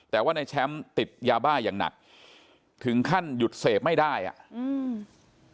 แต่ว่าในแชมป์ติดยาบ้าอย่างหนักถึงขั้นหยุดเสพไม่ได้อ่ะอืม